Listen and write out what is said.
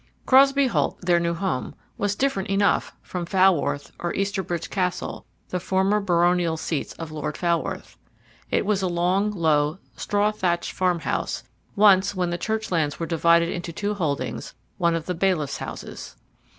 Crosbey Holt, their new home, was different enough from Falworth or Easterbridge Castle, the former baronial seats of Lord Falworth. It was a long, low, straw thatched farm house, once, when the church lands were divided into two holdings, one of the bailiff's houses.